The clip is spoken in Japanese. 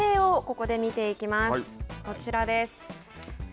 こちらです。